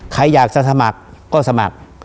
ใครอยากจะสมัครก็สมัคร